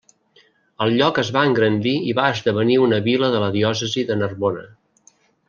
El lloc es va engrandir i va esdevenir una vila de la diòcesi de Narbona.